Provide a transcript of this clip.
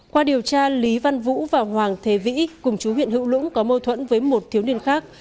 qua điều tra lý văn vũ và hoàng thế vĩ cùng chú huyện hữu lũng có mâu thuẫn với một thiếu niên khác